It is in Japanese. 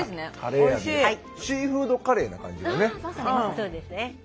そうですね。